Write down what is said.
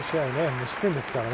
無失点ですからね。